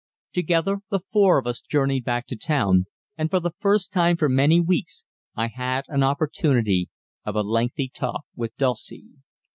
Together the four of us journeyed back to town, and for the first time for many weeks I had an opportunity of a lengthy talk with Dulcie.